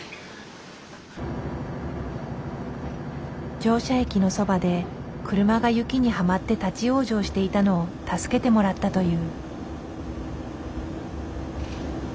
乗車駅のそばで車が雪にはまって立往生していたのを助けてもらったという。